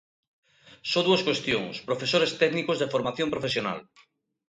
Só dúas cuestións: Profesores técnicos de formación profesional.